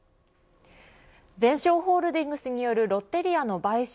ゼンショーホールディングスによるロッテリアの買収